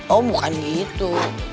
oh bukan gitu